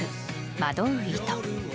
「惑う糸」。